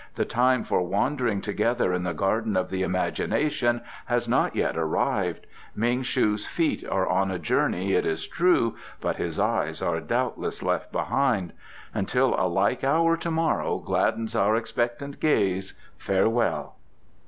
"The time for wandering together in the garden of the imagination has not yet arrived. Ming shu's feet are on a journey, it is true, but his eyes are doubtless left behind. Until a like hour to morrow gladdens our expectant gaze, farewell!"